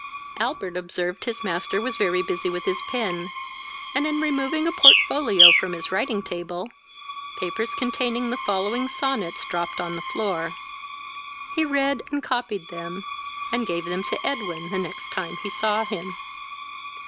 Albert observed his master was very busy with his pen, and, in removing a portfolio from his writing table, papers containing the following sonnets dropped on the floor. He read and copied them, and gave them to Edwin the next time he saw him.